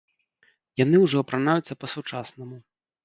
Яны ўжо апранаюцца па-сучаснаму.